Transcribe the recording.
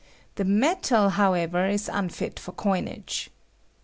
The metal, however, is unfit for coinage.